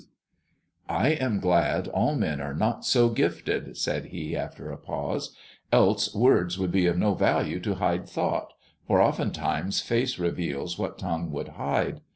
THE dwarf's chamber 65 "I am glad all men are not so gifted," said he after a pause, " else words would be of no value to hide thought, for oftentimes face reveals what tongue would hide.